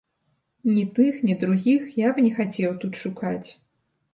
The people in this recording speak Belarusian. Ні тых, ні другіх я б не хацеў тут шукаць.